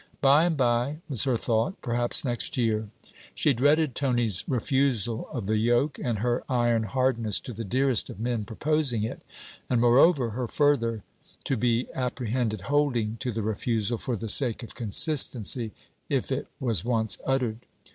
By and by, was her thought: perhaps next year. She dreaded Tony's refusal of the yoke, and her iron hardness to the dearest of men proposing it; and moreover, her further to be apprehended holding to the refusal, for the sake of consistency, if it was once uttered.